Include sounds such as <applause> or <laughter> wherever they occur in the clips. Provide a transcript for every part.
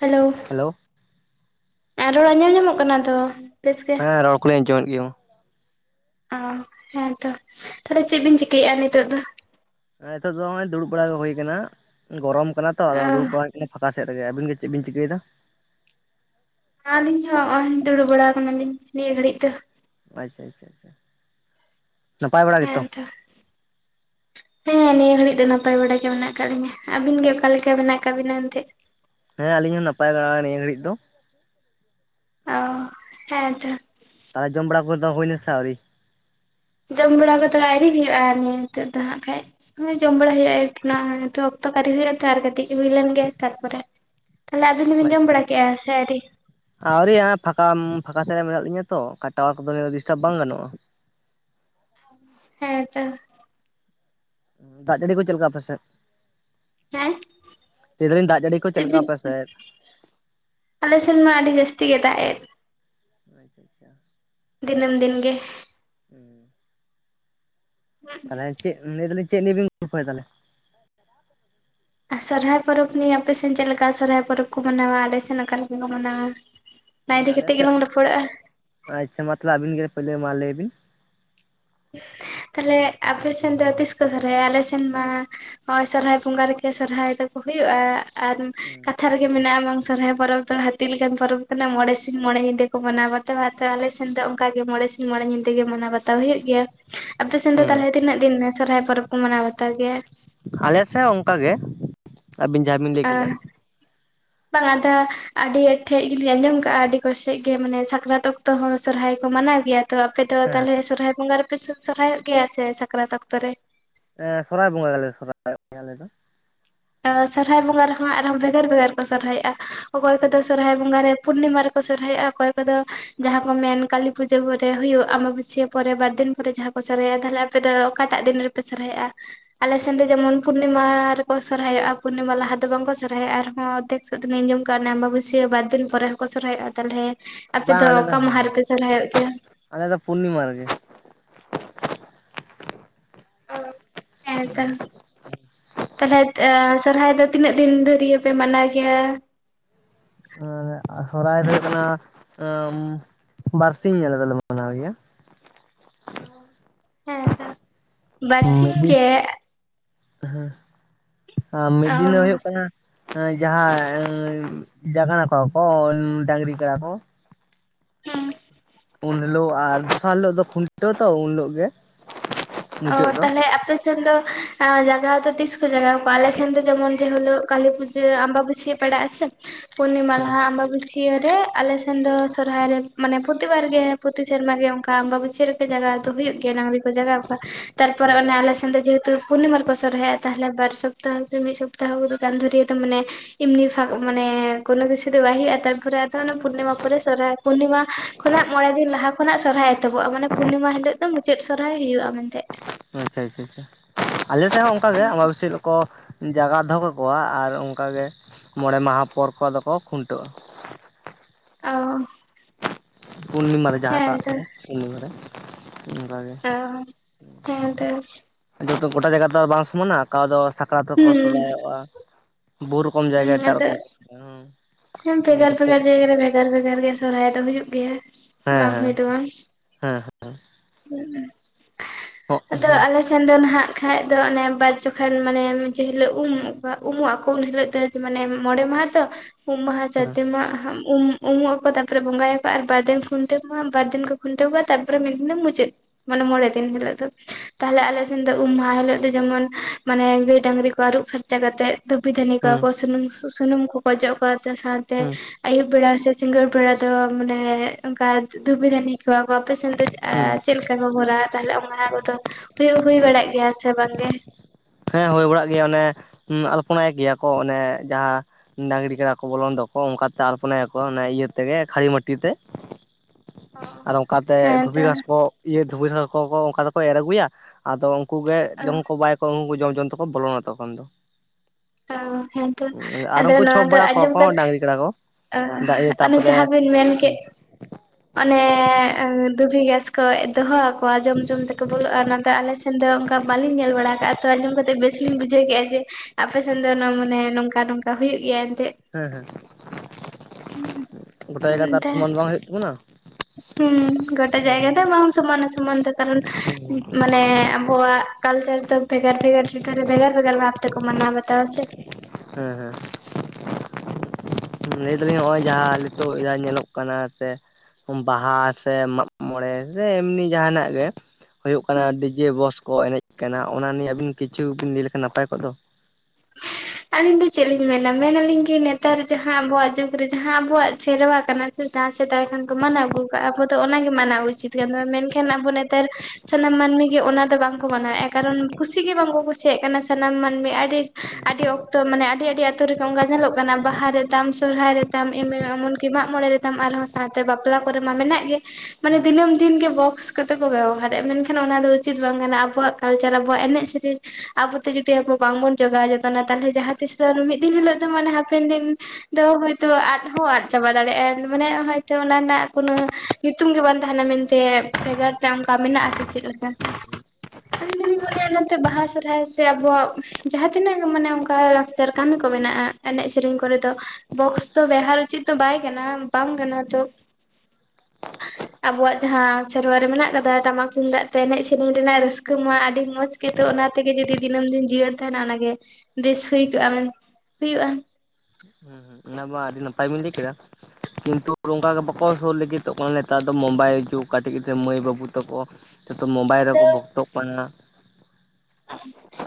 Hello. Hello. ᱨᱚᱲ ᱟᱸᱡᱚᱢ‌ᱚᱜ‌ ᱠᱟᱱᱟ ᱛᱚ᱾ ᱵᱮᱥ ᱜᱮ ᱦᱮᱸ ᱨᱚᱲ ᱠᱚᱞᱤᱧ ᱟᱸᱡᱚᱢᱮᱫ ᱜᱮᱭᱟ ᱢᱟ ᱚᱸᱻ ᱦᱮᱸ ᱛᱚ ᱛᱟᱞᱦᱮ ᱪᱮᱜ ᱵᱤᱱ ᱪᱤᱠᱟᱹᱭᱮᱜ-ᱟ ᱱᱤᱛᱚᱜ ᱫᱚ? ᱮᱸ ᱱᱤᱛᱚᱜ ᱫᱚ ᱱᱚᱜ-ᱚᱭ ᱫᱩᱲᱩᱵ ᱵᱟᱲᱟ ᱜᱮ ᱦᱩᱭ ᱠᱟᱱᱟ ᱜᱚᱨᱚᱢ ᱠᱟᱱᱟ ᱛᱚ ᱟᱫᱚ ᱚ ᱫᱩᱲᱩᱵ ᱵᱟᱲᱟᱼᱼ ᱢᱟᱱᱮ ᱯᱷᱟᱸᱠᱟ ᱥᱮᱜ ᱨᱮᱜᱮ ᱟᱵᱤᱱ ᱜᱮ ᱪᱤᱜ ᱵᱤᱱ ᱪᱤᱠᱟᱹᱭ ᱫᱟ? ᱟᱞᱤᱧ ᱦᱚᱸ ᱱᱚᱜ-ᱚᱸᱭ ᱫᱩᱲᱩᱵ ᱵᱟᱲᱟᱣ ᱠᱟᱱᱟ ᱞᱤᱧ ᱱᱤᱭᱟᱹ ᱜᱷᱟᱹᱲᱤᱡ ᱫᱚ᱾ ᱟᱪᱪᱷᱟ ᱟᱪᱷᱟ ᱟᱪᱷᱟ ᱱᱟᱯᱟᱭ ᱵᱟᱲᱟ ᱜᱮᱛᱚ? ᱦᱮᱸ ᱛᱚ ᱦᱮᱸ ᱱᱤᱭᱟᱹ ᱜᱷᱟᱹᱲᱤᱡ ᱫᱚ ᱱᱟᱯᱟᱭ ᱵᱟᱲᱟ ᱜᱮ ᱢᱮᱱᱟᱜ ᱟᱠᱟᱜ ᱞᱤᱧᱟᱹ ᱟᱵᱤᱱ ᱜᱮ ᱚᱠᱟ ᱞᱮᱠᱟ ᱢᱮᱱᱟᱜ ᱟᱠᱟᱜ ᱵᱤᱱᱟ ᱮᱱᱛᱮᱜ? ᱦᱮᱸ ᱟᱞᱤᱧ ᱦᱚᱸ ᱱᱟᱯᱟᱭ ᱵᱟᱲᱟ ᱜᱮ ᱱᱤᱭᱟᱹ ᱜᱷᱟᱹᱲᱤᱡ ᱫᱚ᱾ ᱚ ᱦᱮᱸᱛᱚ᱾ ᱛᱟᱦᱚᱞᱮ ᱡᱚᱢ ᱵᱟᱲᱟ ᱠᱚᱫᱚ ᱦᱩᱭ ᱱᱟ ᱥᱮ ᱟᱣᱨᱤ? ᱡᱚᱢ ᱵᱟᱲᱟ ᱠᱚ ᱫᱚ ᱟᱣᱨᱤ ᱦᱩᱭᱩᱜ-ᱟ ᱱᱤᱭᱟᱹ ᱱᱤᱛᱚᱜ ᱫᱚ ᱦᱟᱸᱜ ᱠᱷᱟᱡᱼᱼ ᱦᱮᱸ ᱡᱚᱢ ᱵᱟᱲᱟ ᱦᱩᱭᱩᱜ-ᱟ ᱟᱨ ᱠᱤ ᱱᱚᱜ-ᱚᱭ ᱱᱤᱛᱚᱜ ᱚᱠᱛᱚ ᱟᱣᱨᱤ ᱦᱩᱭᱩᱜ-ᱟ ᱛᱚ ᱟᱨ ᱠᱟᱹᱴᱤᱡᱼᱼ ᱦᱩᱭ ᱞᱮᱱ ᱜᱮ ᱛᱟᱨᱯᱚᱨᱮ, ᱛᱟᱦᱚᱞᱮ ᱟᱵᱤᱱ ᱫᱩᱵᱤᱱ ᱡᱚᱢ ᱵᱟᱲᱟ ᱠᱮᱜ-ᱟ ᱥᱮ ᱟᱣᱨᱤ? ᱟᱣᱨᱤ‌ ᱦᱟᱸᱜ ᱯᱷᱟᱸᱠᱟᱢ ᱯᱷᱟᱸᱠᱟ ᱥᱮᱜ ᱨᱮ ᱢᱮᱱᱟᱜ ᱞᱤᱧᱟᱹ ᱛᱚ ᱴᱟᱣᱟᱨ ᱠᱚ ᱫᱚ ᱰᱤᱥᱴᱟᱵᱽ ᱵᱟᱝ ᱜᱟᱱᱚᱜ-ᱟ᱾ ᱦᱮᱸᱛᱚ᱾ ᱫᱟᱜ ᱡᱟᱹᱲᱤ ᱠᱚ ᱪᱮᱜ ᱞᱮᱠᱟ ᱟᱯᱮ ᱥᱮᱜ? ᱦᱮᱸ ᱫᱟᱞᱤᱧ ᱫᱟᱜ ᱡᱟᱹᱲᱤ ᱠᱚ ᱪᱮᱫ ᱪᱤᱫ ᱞᱮᱠᱟ ᱵᱤᱱᱼᱼ ᱟᱯᱮᱥᱮᱫ ᱟᱞᱮ ᱥᱮᱱ ᱢᱟ ᱟᱹᱰᱤ ᱡᱟᱹᱥᱛᱤ ᱜᱮ ᱫᱟᱜ ᱮᱫ᱾ ᱟᱪᱪᱷᱟ ᱟᱪᱷᱟ᱾ ᱫᱤᱱᱟᱹᱢ ᱫᱤᱱ ᱜᱮ᱾ ᱩᱸ᱾ ᱛᱟᱦᱚᱞᱮ ᱪᱮᱜ ᱞᱟᱹᱭ ᱫᱟᱹᱞᱤᱧ ᱪᱮᱜ ᱱᱤᱭᱟᱹ ᱵᱤᱱ ᱜᱚᱞᱯᱷᱚᱭᱟ ᱛᱟᱦᱚᱞᱮ? ᱟᱨ ᱥᱚᱨᱦᱟᱭ ᱯᱚᱨᱚᱵᱽ ᱱᱤᱭᱟᱹ ᱟᱯᱮ ᱥᱮᱱ ᱪᱮᱜ ᱞᱮᱠᱟ ᱥᱚᱨᱦᱟᱭ ᱯᱚᱨᱚᱵᱽ ᱠᱚ ᱢᱟᱱᱟᱣᱟ ᱟᱞᱮ ᱥᱮᱱ ᱚᱠᱟ ᱞᱮᱠᱟ ᱠᱚ ᱢᱟᱱᱟᱣᱟ᱾ ᱚᱱᱟ ᱦᱩᱸᱻ ᱤᱫᱤ ᱟᱞᱮ ᱠᱟᱛᱮᱜ ᱥᱮᱜ ᱜᱮᱞᱟᱝ ᱨᱚᱯᱚᱲᱚᱜᱼᱟ ᱟᱪᱪᱷᱟ ᱢᱟ ᱛᱟᱦᱚᱞᱮ ᱟᱵᱤᱱ ᱜᱮ ᱯᱟᱹᱭᱞᱟᱹ ᱢᱟ ᱞᱟᱹᱭ ᱵᱤᱱ? ᱛᱟᱞᱦᱮ ᱟᱯᱮ ᱥᱮᱱ ᱫᱚ ᱛᱤᱥ ᱠᱚ ᱥᱚᱨᱦᱟᱭᱚᱜ-ᱟ ᱟᱞᱮ ᱥᱮᱱ ᱢᱟᱼᱼ ᱱᱚᱣᱭ ᱥᱚᱨᱦᱟᱭ ᱵᱚᱸᱜᱟ ᱨᱮᱜᱮ ᱥᱚᱨᱦᱟᱭ ᱫᱚ ᱠᱩ ᱦᱩᱭᱩᱜ-ᱟ ᱟᱨ ᱠᱟᱛᱷᱟ ᱨᱮᱼᱼ ᱜᱮ ᱢᱮᱱᱟᱜ-ᱟ ᱵᱟᱝ ᱥᱚᱨᱦᱟᱭ ᱯᱚᱨᱚᱵᱽ ᱫᱚ ᱦᱟᱹᱛᱤ ᱞᱮᱠᱟᱱ ᱯᱚᱨᱚᱵᱽ ᱠᱟᱱᱟ ᱢᱚᱬᱮ ᱥᱤᱧ ᱢᱚᱬᱮ ᱧᱤᱫᱟᱹ ᱠᱚ ᱢᱟᱱᱟᱣ ᱵᱟᱛᱼᱼ ᱛᱟᱣᱟ ᱛᱚ ᱟᱞᱮ ᱥᱮᱱ ᱫᱚ ᱚᱱᱠᱟ ᱜᱮ ᱢᱚᱬᱮ ᱥᱤᱧ ᱢᱚᱬᱮ ᱧᱤᱫᱟᱹ ᱜᱤ ᱢᱟᱱᱟᱣ ᱵᱟᱛᱟᱣ ᱦᱩᱭᱩᱜᱼᱼ ᱜᱮᱭᱟ, ᱟᱯᱮ ᱥᱮᱱ ᱫᱚ ᱦᱩᱸ ᱛᱟᱞᱦᱮ ᱛᱤᱱᱟᱹᱜ ᱫᱤᱱ ᱥᱚᱨᱦᱟᱭ ᱯᱚᱨᱚᱵᱽ ᱠᱚ ᱢᱟᱱᱟᱣ ᱵᱟᱛᱟᱣ ᱜᱮᱭᱟ? ᱟᱞᱮ ᱥᱮᱜ ᱦᱚᱸ ᱚᱝᱠᱟ ᱜᱮ ᱟᱹᱵᱤᱱ ᱡᱟᱦᱟᱸ ᱵᱤᱱ ᱞᱟᱹᱭ ᱠᱮᱫᱟ᱾ ᱟᱨ ᱵᱟᱝ ᱟᱫᱚ ᱟᱹᱰᱤ ᱴᱷᱮᱡ ᱜᱮᱞᱤᱧ ᱟᱸᱡᱚᱢ ᱠᱟᱜ-ᱟ ᱟᱹᱰᱤ ᱠᱚᱥᱮᱜ ᱜᱮ ᱢᱟᱱᱮ ᱥᱟᱠᱨᱟᱛ ᱚᱠᱼᱼ ᱛᱚ ᱦᱚᱸ ᱥᱚᱨᱦᱟᱭ ᱠᱚ ᱢᱟᱱᱟᱣ ᱜᱮᱭᱟ᱾ ᱛᱚ ᱟᱯᱮ ᱫᱚ ᱛᱟᱞᱦᱮ ᱥᱚᱨᱦᱟᱭ ᱵᱚᱸᱜᱟ ᱨᱮᱯᱮ ᱥᱚᱨᱦᱟᱭᱚᱜ ᱜᱮᱭᱟ, ᱥᱮ ᱥᱟᱠᱨᱟᱛ ᱚᱠᱛᱚ ᱨᱮ? ᱮᱸ ᱥᱚᱨᱦᱟᱭ ᱵᱚᱸᱜᱟ ᱜᱮᱞᱮ ᱥᱚᱨᱦᱟᱭᱚᱜ ᱜᱮᱭᱟ ᱟᱞᱮ ᱫᱚ᱾ <unintelligible> ᱥᱚᱨᱦᱟᱭ ᱵᱚᱸᱜᱟ ᱨᱮᱦᱚᱸ ᱟᱨᱦᱚᱸ ᱵᱷᱮᱜᱟᱨ ᱵᱷᱮᱜᱟᱨ ᱠᱚ ᱥᱚᱨᱦᱟᱭᱚᱜ-ᱟ ᱚᱠᱚᱭ ᱠᱚᱫᱚ ᱥᱚᱨᱦᱟᱭ ᱵᱚᱸᱜᱟ ᱨᱮᱼᱼ ᱯᱩᱨᱱᱤᱢᱟ ᱨᱮᱠᱚ ᱥᱚᱨᱦᱟᱭᱚᱜ-ᱟ ᱚᱠᱚᱭ ᱠᱚᱫᱚ ᱡᱟᱦᱟᱸ ᱠᱚ ᱢᱮᱱ ᱠᱟᱞᱤ ᱯᱩᱡᱟᱹ ᱠᱚᱨᱮ ᱦᱩᱭᱩᱜ ᱟᱢᱵᱟ ᱵᱟᱹᱥᱭᱟᱹ ᱯᱚᱨᱮ ᱵᱟᱨ ᱫᱤᱱᱼᱼ ᱛᱟᱯᱚᱨᱮ ᱡᱟᱦᱟᱸ ᱠᱚ ᱥᱚᱨᱦᱟᱭᱚᱜᱼᱟ ᱛᱟᱦᱚᱞᱮ ᱟᱯᱮ ᱫᱚ ᱚᱠᱟᱴᱟᱜ ᱫᱤᱱ ᱨᱮᱯᱮ ᱥᱚᱨᱦᱟᱭᱚᱜᱼᱟ ᱟᱞᱮ ᱥᱮᱱ ᱡᱮᱢᱚᱱ ᱯᱩᱨᱱᱤᱢᱟ ᱨᱮᱠᱚ ᱥᱚᱨᱦᱟᱭᱚᱜᱼᱟ ᱯᱩᱱᱩᱨᱱᱤᱢᱟ ᱞᱟᱦᱟ ᱫᱚ ᱵᱟᱝᱠᱚ ᱥᱚᱨᱦᱟᱭᱚᱜ ᱟᱨᱦᱚᱸ ᱟᱫᱷᱮᱠ ᱥᱮᱫ ᱛᱤᱱᱟᱹᱜ ᱤᱧ ᱟᱸᱡᱚᱢ ᱠᱟᱜᱼᱟ ᱚᱱᱟ ᱟᱹᱢᱵᱟᱹᱥᱭᱟ ᱵᱟᱨ ᱫᱤᱱ ᱯᱚᱨᱮ ᱦᱚᱸ ᱥᱚᱨᱦᱟᱭᱚᱜᱼᱟ ᱛᱟᱦᱚᱞᱮ ᱟᱯᱮ ᱵᱟᱝ ᱫᱚ ᱟᱞᱮ ᱚᱠᱟ ᱢᱟᱦᱟ ᱨᱮᱯᱮ ᱥᱚᱨᱦᱟᱭᱚᱜ ᱜᱮᱭᱟ? ᱟᱞᱮ ᱫᱚ ᱯᱩᱨᱱᱤᱢᱟ ᱨᱮᱜᱮ᱾ ᱚ ᱦᱮᱸ ᱛᱚ ᱛᱟᱦᱞᱮ ᱥᱚᱨᱦᱟᱭ ᱫᱚ ᱛᱤᱱᱟᱹᱜ ᱫᱤᱱ ᱫᱷᱩᱨᱤᱭᱟ ᱯᱮ ᱢᱟᱱᱟᱣ ᱜᱮᱭᱟᱲ? ᱮᱸ ᱦᱚᱦᱨᱟᱭ ᱫᱚ ᱦᱩᱭᱩᱜ ᱠᱟᱱᱟ ᱟᱸ ᱵᱟᱨᱥᱤᱧ ᱜᱮ ᱟᱞᱮ ᱫᱚᱞᱮ ᱢᱟᱱᱟᱣ ᱜᱮᱭᱟ᱾ ᱦᱮᱸ ᱛᱚ ᱵᱟᱨᱥᱤᱧ ᱜᱮ᱾ ᱦᱮᱸ ᱟᱸ ᱢᱤᱜ ᱚ ᱫᱤᱱ ᱫᱚ ᱦᱩᱭᱩᱜ ᱠᱟᱱᱟ ᱮᱸ ᱡᱟᱦᱟᱸ ᱡᱟᱜᱟᱣᱶ ᱠᱚᱣᱟ ᱠᱚ ᱰᱟᱝᱨᱤ ᱠᱟᱰᱟ ᱠᱚ᱾ ᱦᱮᱸ ᱩᱱ ᱦᱤᱞᱳᱜ ᱟᱨ ᱫᱚᱥᱟᱨ ᱦᱤᱞᱳ ᱫᱚ ᱠᱷᱩᱱᱴᱟᱹᱣ ᱛᱚ ᱩᱱ ᱦᱤᱞᱳ ᱜᱮ᱾ ᱚ ᱢᱩᱪᱟᱹᱫ ᱫᱚ ᱛᱟᱦᱞᱮ ᱟᱯᱮᱥᱮᱱ ᱫᱚ ᱡᱟᱜᱟᱣ ᱫᱚ ᱛᱤᱥ ᱡᱟᱜᱟᱣ ᱠᱚ ᱟᱞᱮ ᱥᱮᱱ ᱫᱚ ᱡᱮᱢᱚᱱ ᱡᱮᱦᱮᱞᱳᱜ ᱠᱟᱞᱤ ᱯᱩᱡᱟᱹ ᱟᱢᱵᱟᱹᱥᱭᱟᱹ ᱯᱟᱲᱟᱜᱼᱟ ᱥᱮ᱾ ᱯᱩᱨᱱᱤᱢᱟ ᱦᱮᱸ ᱞᱟᱦᱟ ᱟᱢᱵᱟᱹᱥ ᱤᱭᱟᱹ ᱨᱮ ᱟᱞᱮᱥᱮᱱ ᱫᱚ ᱥᱚᱨᱦᱟᱭ ᱨᱮ ᱢᱟᱱᱮ ᱯᱚᱛᱤᱵᱟᱨ ᱜᱮ ᱯᱨᱚᱛᱤ ᱥᱮᱨᱢᱟ ᱜᱮ ᱚᱝᱠᱟ ᱟᱢᱵᱟᱹᱥ ᱭᱟᱹ ᱡᱟᱜᱟᱣ ᱫᱚ ᱦᱩᱭᱩᱜ ᱜᱮᱭᱟ ᱰᱟᱝᱨᱤ ᱠᱚ ᱡᱟᱜᱟᱣ ᱠᱚᱣᱟ ᱛᱟᱨᱯᱚᱨᱮ ᱚᱱᱟ ᱟᱞᱮ ᱥᱮᱱ ᱡᱮᱦᱮᱛᱩ ᱯᱩᱨᱱᱤᱢᱟ ᱨᱮᱠᱚ ᱥᱚᱨᱦᱟᱭᱚᱜ ᱛᱟᱦᱚᱞᱮ ᱵᱟᱨ ᱥᱚᱯᱛᱟᱦᱚ ᱥᱮ ᱢᱤᱫ ᱥᱚᱯᱛᱟᱦᱚ ᱠᱟᱱᱟ ᱫᱩᱨᱮᱭᱟ ᱫᱚ ᱢᱟᱱᱮ ᱤᱢᱱᱤ ᱯᱷᱟ ᱢᱟᱱᱮ ᱠᱩᱱᱚ ᱠᱤᱪᱷᱩ ᱫᱚ ᱵᱟᱭ ᱦᱩᱭᱩᱜᱼᱟ ᱛᱟᱨᱯᱚᱨ ᱟᱫᱚ ᱯᱩᱨᱱᱤᱢᱟ ᱠᱚᱨᱮ ᱥᱚᱦᱨᱟᱭ ᱯᱩᱨᱱᱤᱢᱟ ᱠᱷᱚᱱᱟᱜ ᱢᱚᱬᱮᱫᱤᱱ ᱞᱟᱦᱟ ᱠᱷᱚᱱᱟᱜ ᱥᱚᱨᱦᱟᱭ ᱮᱛᱚᱦᱚᱵᱚᱜᱼᱟ, ᱢᱟᱱᱮ ᱯᱩᱨᱱᱤᱢᱟ ᱦᱤᱞᱳᱜ ᱫᱚ ᱢᱩᱪᱟᱹᱫ ᱥᱚᱨᱦᱟᱭ ᱦᱩᱭᱩᱜᱼᱟ᱾ ᱢᱮᱱᱛᱮᱜ ᱟᱪᱪᱷᱟ ᱟᱪᱪᱷᱟ ᱟᱪᱷᱟ ᱟᱞᱮ ᱥᱮᱜ ᱦᱚᱸ ᱚᱝᱠᱟᱜ ᱜᱮ ᱚ ᱟᱢᱵᱟᱹᱥᱭᱟᱹ ᱦᱤᱞᱚᱜ ᱠᱚ ᱡᱟᱜᱟᱣ ᱫᱚᱦᱚ ᱠᱟᱠᱚᱣᱟ ᱟᱨ ᱚᱝᱠᱟᱜᱮ ᱢᱚᱬᱮ ᱢᱟᱦᱟ ᱯᱚᱨ ᱠᱚ ᱟᱫᱚ ᱠᱚ ᱠᱷᱩᱱᱴᱟᱹᱜᱼᱟ᱾ ᱚ ᱯᱩᱨᱱᱤᱢᱟ ᱨᱮ ᱡᱟᱦᱟᱸᱭ ᱯᱟᱲᱟᱜ ᱛᱟᱦᱮᱸᱜ ᱯᱩᱨᱱᱤᱢᱟ ᱨᱮ᱾ ᱚᱝᱠᱟᱜᱮ ᱚ ᱦᱮᱸ ᱛᱚ ᱦᱮᱸ ᱡᱚᱛᱚ ᱜᱚᱴᱟ ᱡᱟᱭᱜᱟ ᱫᱚ ᱵᱟᱝ ᱥᱚᱢᱟᱱᱟ ᱚᱠᱟ ᱫᱚ ᱥᱟᱠᱨᱟᱛ ᱨᱮᱠᱚ ᱦᱩᱸ ᱥᱚᱨᱦᱟᱭᱚᱜᱼᱟ ᱵᱩᱨᱩ ᱠᱚᱢ ᱡᱟᱭᱜᱟ ᱮᱴᱟᱜ ᱨᱚᱠᱚᱢ ᱠᱚᱸ <unintelligible> ᱦᱮᱸ ᱵᱷᱮᱜᱟᱨ ᱵᱷᱮᱜᱟᱨ ᱡᱟᱭᱜᱟ ᱨᱮ ᱵᱷᱮᱜᱟᱨ ᱵᱷᱮᱜᱟᱨ ᱜᱮ ᱥᱚᱨᱦᱟᱭ ᱫᱚ ᱦᱩᱭᱩᱜ ᱜᱮᱭᱟ᱾ ᱦᱮᱸ ᱵᱟᱝ ᱦᱮᱸ ᱦᱩᱭ ᱫᱚ ᱵᱟᱝ ᱦᱮᱸ ᱦᱮᱸ ᱟᱫᱚ ᱦᱮᱸ ᱟᱞᱮ ᱪᱟᱸᱫᱳ ᱱᱟᱦᱟᱜ ᱠᱷᱟᱡ ᱫᱚ ᱚᱱᱮ ᱵᱟᱨ ᱡᱚᱠᱷᱚᱱ ᱢᱟᱱᱮ ᱡᱮ ᱦᱤᱞᱳᱜ ᱩᱢ ᱩᱢᱩᱜ ᱟᱠᱚ ᱩᱱ ᱦᱤᱞᱳᱜ ᱫᱚ ᱢᱟᱱᱮ ᱢᱚᱬᱮ ᱢᱟᱦᱟᱸ ᱛᱚ ᱩᱢ ᱢᱟᱦᱟᱸ ᱥᱟᱹᱨᱫᱤ ᱢᱟᱦᱟᱸ ᱦᱟᱜ ᱩᱢ ᱩᱢᱩᱜ ᱟᱠᱚ ᱛᱟᱯᱚᱨᱮ ᱵᱚᱸᱜᱟᱭᱟᱠᱚ ᱟᱨ ᱵᱟᱨ ᱫᱤᱱ ᱠᱷᱩᱱᱴᱟᱹᱣᱢᱟ ᱵᱟᱨ ᱫᱤᱱ ᱠᱚ ᱠᱷᱩᱱᱴᱟᱹᱣ ᱠᱚᱣᱟ ᱛᱟᱨᱯᱚᱨᱮ ᱢᱤᱫ ᱫᱤᱱ ᱫᱚ ᱢᱩᱪᱟᱹᱫ᱾ ᱢᱟᱱᱮ ᱢᱚᱬᱮ ᱫᱤᱱ ᱦᱤᱞᱚᱜ ᱫᱚ᱾ ᱛᱟᱦᱚᱞᱮ ᱟᱞᱮ ᱥᱮᱱ ᱫᱚ ᱩᱢ ᱢᱟᱦᱟ ᱦᱤᱞᱳᱜ ᱫᱚ ᱡᱮᱢᱚᱱ ᱢᱟᱱᱮ ᱜᱟᱹᱭ ᱰᱟᱝᱨᱤ ᱠᱚ ᱟᱹᱨᱩᱵ ᱯᱷᱟᱨᱪᱟ ᱠᱟᱛᱮᱜ ᱫᱷᱩᱵᱤᱫᱟᱹᱱᱤ ᱠᱚᱣᱟ ᱦᱮᱸ ᱠᱚ ᱥᱩᱱᱩᱢ ᱥᱩᱱᱩᱢ ᱠᱚ ᱚᱡᱚᱜ ᱠᱚᱣᱟ ᱥᱟᱶᱛᱮ ᱟᱭᱩᱵ ᱵᱮᱲᱟ ᱥᱮ ᱥᱤᱸᱜᱟᱹᱲ ᱵᱮᱲᱟ ᱫᱚ ᱢᱟᱱᱮ ᱚᱝᱠᱟ ᱫᱷᱩᱵᱤ ᱫᱷᱟᱹᱱᱤ ᱠᱚᱣᱟ ᱠᱚ ᱟᱯᱮᱥᱮᱱ ᱫᱚ ᱮ ᱦᱮᱸ ᱦᱮᱸ ᱪᱮᱫ ᱞᱮᱠᱟ ᱠᱚ ᱵᱷᱚᱨᱟ ᱛᱟᱦᱚᱞᱮ ᱚᱱᱟ ᱠᱚᱫᱚ ᱦᱩᱭᱩᱜ ᱦᱩᱭ ᱵᱟᱲᱟᱜ ᱜᱮᱭᱟ ᱥᱮ ᱵᱟᱝᱜᱮ? ᱦᱮᱸ ᱦᱩᱭ ᱵᱟᱲᱟᱜ ᱜᱮᱭᱟ ᱚᱱᱮ ᱟᱞᱚᱯᱚᱱᱟᱭ ᱜᱮᱭᱟ ᱠᱚ ᱚᱱᱮ ᱡᱟᱦᱟᱸ ᱰᱟᱝᱨᱤ ᱠᱟᱰᱟ ᱠᱚ ᱵᱚᱞᱚᱱ ᱫᱚᱠᱚ ᱚᱱᱠᱟᱛᱮ ᱟᱞᱯᱚᱱᱟᱭᱟᱠᱚ ᱚᱱᱟ ᱤᱭᱟᱹ ᱛᱮᱜᱮ ᱠᱷᱟᱹᱲᱤ ᱢᱟᱹᱴᱤ ᱛᱮ᱾ ᱟᱫᱚ ᱚᱝᱠᱟᱛᱮ ᱦᱮᱸ ᱫᱷᱩᱯᱤ ᱛᱚ ᱜᱷᱟᱥ ᱠᱚ ᱤᱭᱟᱹ ᱫᱷᱩᱵᱤ ᱜᱷᱟᱥ ᱠᱚ ᱠᱚ ᱚᱝᱠᱟ ᱫᱚᱠᱚ ᱮᱨ ᱟᱹᱜᱩᱭᱟ ᱟᱫᱚ ᱩᱝᱠᱩ ᱜᱮ ᱡᱮᱢᱚᱱ ᱠᱚ ᱵᱟᱭ ᱠᱚ ᱩᱝᱠᱩ ᱡᱚᱢ ᱡᱚᱢ ᱛᱮᱠᱚ ᱵᱚᱞᱚᱱᱟ ᱛᱚᱠᱷᱚᱱ ᱫᱚ᱾ ᱚ ᱦᱮᱸᱛᱚ ᱟᱫᱚ ᱱᱚᱣᱟ ᱫᱚ ᱟᱸᱡᱚᱢ ᱠᱟ ᱠᱮᱫᱟ ᱠᱚ᱾ ᱮ ᱚᱱᱮ ᱡᱟᱦᱟᱸ ᱛᱟᱯᱚᱨᱮ ᱵᱤᱱ ᱢᱮᱱ ᱠᱮᱜ ᱦᱮᱸ ᱚᱱᱮ ᱫᱩᱵᱤ ᱜᱷᱮᱥ ᱠᱚ ᱫᱚᱦᱚ ᱟᱠᱚᱣᱟ ᱡᱚᱢ ᱡᱚᱢ ᱛᱮᱠᱚ ᱵᱚᱞᱩᱜᱼᱟ ᱚᱱᱟ ᱫᱚ ᱟᱞᱮᱥ ᱥᱮᱱ ᱫᱚ ᱚᱝᱠᱟ ᱵᱟᱞᱤᱧ ᱧᱮᱞ ᱵᱟᱲᱟ ᱠᱟᱜᱼᱟ, ᱛᱚ ᱟᱸᱡᱚᱢ ᱠᱟᱛᱮ ᱵᱮᱥᱞᱤᱧ ᱵᱩᱡᱷᱟᱹᱣ ᱠᱮᱜᱼᱟ ᱡᱮ ᱟᱯᱮ ᱥᱮᱫ ᱫᱚ ᱢᱟᱱᱮ ᱱᱚᱝᱠᱟ ᱱᱚᱝᱠᱟ ᱛᱚ ᱦᱩᱭᱩᱜ ᱜᱮᱭᱟ ᱮᱱᱛᱮᱜ᱾ ᱦᱮᱸ ᱦᱮᱸ ᱜᱚᱴᱟ ᱡᱟᱭᱜᱟ ᱛᱚ ᱟᱨ ᱥᱚᱢᱟᱱ ᱵᱟᱝ ᱦᱩᱭᱩᱜ ᱛᱟᱵᱚᱱᱟ᱾ ᱦᱩᱸ ᱜᱚᱴᱟ ᱡᱟᱭᱜᱟ ᱦᱮᱸ ᱫᱚ ᱵᱟᱝ ᱥᱟᱢᱟᱱᱟ ᱥᱚᱢᱟᱱ ᱫᱚ ᱠᱟᱨᱚᱱ ᱢᱟᱱᱮ ᱟᱵᱚᱣᱟᱜ ᱠᱟᱞᱪᱟᱨ ᱫᱚ ᱵᱷᱮᱜᱟᱨ ᱵᱷᱮᱜᱟᱨ ᱴᱚᱴᱷᱟᱨ ᱨᱮ ᱵᱷᱮᱜᱟᱨ ᱵᱷᱮᱜᱟᱨ ᱵᱷᱟᱵ ᱛᱮᱠᱚ ᱢᱟᱱᱟᱣ ᱵᱟ <unintelligible> ᱦᱮᱸ ᱦᱮᱸ ᱞᱟᱹᱭ ᱫᱟᱞᱤᱧ ᱱᱚᱜᱼᱚᱭ ᱡᱟᱦᱟᱸ ᱱᱤᱛᱚᱜ ᱡᱟ ᱧᱮᱞᱚᱜ ᱠᱟᱱᱟ ᱥᱮ ᱵᱟᱦᱟ ᱥᱮ ᱢᱟᱜᱢᱚᱲᱮ ᱥᱮ ᱮᱢᱱᱤ ᱡᱟᱦᱟᱱᱟᱜ ᱜᱮ ᱦᱩᱭᱩᱜ ᱠᱟᱱᱟ ᱦᱩᱸ ᱰᱤᱡᱮ ᱵᱚᱥ ᱠᱚ ᱮᱱᱮᱡ ᱠᱟᱱᱟ ᱚᱱᱟ ᱱᱤᱭᱮ ᱟᱹᱵᱤᱱ ᱠᱤᱪᱷᱩᱵᱤᱱ ᱞᱟᱹᱭ ᱞᱮᱠᱷᱟᱱ ᱱᱟᱯᱟᱭ ᱠᱚᱜ ᱫᱚ ᱟᱞᱤᱧ ᱫᱚ ᱪᱮᱫ ᱞᱤᱧ ᱢᱮᱱᱟ ᱢᱮᱱᱟᱞᱤᱧ ᱠᱤ ᱱᱮᱛᱟᱨ ᱡᱟᱦᱟᱸ ᱟᱵᱚᱣᱟᱜ ᱡᱩᱜᱽ ᱨᱮ ᱡᱟᱦᱟᱸ ᱟᱵᱚᱣᱟᱜ ᱠᱷᱮᱨᱣᱟ ᱠᱟᱱᱟ ᱥᱮᱫᱟᱭ ᱥᱮᱫᱟᱭ ᱠᱷᱟᱱ ᱠᱚ ᱢᱟᱱᱟᱣ ᱟᱹᱜᱩ ᱠᱟᱜᱼᱟ ᱟᱵᱚ ᱫᱚ ᱚᱱᱟᱜᱮ ᱢᱟᱱᱟᱣ ᱩᱪᱤᱛ ᱠᱟᱱ ᱛᱟᱵᱱᱟ ᱢᱮᱱᱠᱷᱟᱱ ᱟᱵᱚ ᱱᱮᱛᱟᱨ ᱥᱟᱱᱟᱢ ᱢᱟᱹᱱᱢᱤ ᱜᱮ ᱚᱱᱟ ᱫᱚ ᱵᱟᱝᱠᱚ ᱢᱟᱱᱟᱣᱮᱫᱼᱟ ᱠᱟᱨᱚᱱ ᱠᱩᱥᱤᱜ ᱜᱮ ᱵᱟᱝ ᱠᱚ ᱠᱩᱥᱤᱭᱟᱜ ᱠᱟᱱᱟ ᱥᱟᱱᱟᱢ ᱢᱟᱹᱱᱢᱤ ᱟᱹᱰᱤ ᱟᱹᱰᱤ ᱚᱠᱛᱚ ᱢᱟᱱᱮ ᱟᱹᱰᱤ ᱟᱹᱰᱤ ᱟᱛᱳ ᱨᱮᱜᱮ ᱚᱱᱠᱟ ᱧᱮᱞᱚᱜ ᱠᱟᱱᱟ ᱵᱟᱦᱟ ᱨᱮᱛᱟᱢ ᱥᱚᱨᱚᱦᱟᱭ ᱨᱮ ᱛᱟᱢ ᱮᱢ ᱮᱢᱚᱱ ᱠᱤ ᱢᱟᱜ ᱢᱚᱬᱮ ᱨᱮ ᱟᱨᱦᱚᱸ ᱥᱟᱶᱛᱮ ᱵᱟᱯᱞᱟ ᱠᱚᱨᱮ ᱢᱟ ᱢᱮᱱᱟᱜ ᱜᱮ ᱢᱟᱱᱮ ᱦᱩᱸ ᱫᱤᱱᱟᱹᱢ ᱫᱤᱱᱜᱮ ᱵᱚᱠᱥ ᱠᱚᱛᱮ ᱠᱚ ᱵᱮᱵᱚᱦᱟᱨᱮᱫᱼᱟ ᱢᱮᱱᱠᱷᱟᱱ ᱚᱱᱟ ᱫᱚ ᱩᱪᱤᱛ ᱵᱟᱝ ᱠᱟᱱᱟ ᱟᱵᱚᱣᱟᱜ ᱞᱟᱠᱪᱟᱨ ᱟᱵᱚᱣᱟᱜ ᱮᱱᱮᱡ ᱥᱮᱨᱮᱧ ᱟᱵᱚ ᱛᱮ ᱡᱩᱫᱤ ᱟᱵᱚ ᱵᱟᱝᱵᱚᱱ ᱡᱚᱜᱟᱣ ᱡᱚᱛᱚᱱᱟ ᱛᱟᱦᱚᱞᱮ ᱡᱟᱦᱟᱸ ᱛᱤᱥ ᱫᱚ ᱟᱨ ᱢᱤᱫ ᱫᱤᱱ ᱦᱤᱞᱳᱜ ᱫᱚ ᱢᱟᱱᱮ ᱦᱟᱯᱮᱱ ᱫᱤᱱ ᱫᱚ ᱦᱳᱭᱛᱳ ᱟᱫ ᱦᱚᱸ ᱟᱫ ᱪᱟᱵᱟ ᱫᱟᱲᱮᱭᱟᱜᱼᱟ ᱢᱟᱱᱮ ᱦᱚᱭᱛᱳ ᱚᱱᱟ ᱨᱮᱱᱟᱜ ᱠᱳᱱᱳ ᱧᱩᱛᱩᱢ ᱜᱮ ᱵᱟᱝ ᱛᱟᱦᱮᱱᱟ ᱢᱮᱱᱛᱮ ᱵᱷᱮᱜᱟᱨ ᱛᱮ ᱚᱱᱠᱟ ᱢᱮᱱᱟᱜ ᱥᱮ ᱪᱮᱫ ᱞᱮᱠᱟ ᱦᱩᱸ ᱟᱞᱤᱧ ᱫᱚᱞᱤᱧ ᱢᱚᱱᱮᱭᱟ ᱱᱚᱛᱮ ᱵᱟᱦᱟ ᱥᱚᱨᱦᱟᱭ ᱥᱮ ᱟᱵᱚᱣᱟᱜ ᱡᱟᱦᱟᱸ ᱛᱤᱱᱟᱹᱜ ᱜᱮ ᱢᱟᱱᱮ ᱚᱱᱠᱟ ᱞᱟᱠᱪᱟᱨ ᱠᱟᱹᱢᱤ ᱠᱚ ᱢᱮᱱᱟᱜᱼᱟ ᱮᱱᱮᱡ ᱥᱮᱨᱮᱧ ᱠᱚᱨᱮ ᱫᱚ ᱵᱚᱠᱥ ᱫᱚ ᱵᱮᱣᱦᱟᱨ ᱩᱪᱤᱛ ᱫᱚ ᱵᱟᱭ ᱠᱟᱱᱟ ᱵᱟᱝ ᱜᱚᱱᱚᱜᱼᱟ ᱛᱚ ᱟᱵᱩᱣᱟᱜ ᱡᱟᱦᱟᱸ ᱥᱮᱨᱣᱟᱨᱮ ᱢᱮᱱᱟᱜ ᱟᱠᱟᱫᱟ ᱴᱟᱢᱟᱠ ᱛᱩᱢᱫᱟᱜ ᱛᱮ ᱮᱱᱮᱡ ᱥᱮᱨᱮᱧ ᱨᱮᱱᱟᱜ ᱨᱟᱹᱥᱠᱟᱹ ᱢᱟ ᱟᱹᱰᱤ ᱢᱚᱸᱡᱽ ᱠᱤᱛᱩ ᱚᱱᱟ ᱛᱮᱜᱮ ᱡᱩᱫᱤ ᱫᱤᱱᱟᱹᱢ ᱫᱤᱱ ᱡᱤᱭᱟᱹᱲ ᱛᱟᱦᱮᱱᱟ ᱚᱱᱟᱜᱮ ᱵᱮᱥ ᱦᱩᱭ ᱠᱚᱜᱼᱟ ᱢᱮᱱ ᱦᱩᱭᱩᱜᱼᱟ ᱦᱩᱸ ᱚᱱᱟ ᱵᱟᱝ ᱟᱹᱰᱤ ᱱᱟᱯᱟᱭ ᱵᱤᱱ ᱞᱟᱹᱭ ᱠᱮᱫᱟ ᱠᱤᱱᱛᱩ ᱚᱱᱠᱟ ᱜᱮ ᱵᱟᱠᱚ ᱥᱩᱨ ᱞᱟᱹᱜᱤᱫᱚᱜ ᱠᱟᱱᱟ ᱱᱮᱛᱟᱨ ᱫᱚ ᱢᱳᱵᱟᱭ ᱦᱤᱡᱩᱜ ᱠᱟᱹᱴᱤᱡ ᱠᱟᱹᱴᱨᱤᱡ ᱢᱟᱹᱭ ᱵᱟᱹᱵᱩ ᱛᱟᱠᱚ ᱡᱚᱛᱚ ᱢᱳᱵᱟᱭᱤᱞ ᱨᱮᱠᱚ ᱟᱫᱚ ᱵᱷᱚᱠᱛᱚᱜ ᱠᱟᱱᱟ